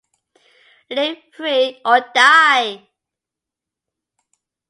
Live free or die!